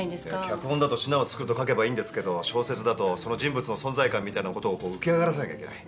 脚本だとしなをつくると書けばいいんですけど小説だとその人物の存在感みたいなことをこう浮き上がらせなきゃいけない。